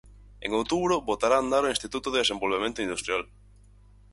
En outubro botará a andar o Instituto de Desenvolvemento Industrial.